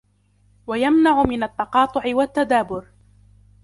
وَيَمْنَعُ مِنْ التَّقَاطُعِ وَالتَّدَابُرِ